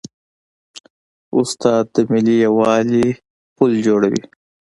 استاد د ملي یووالي پل جوړوي.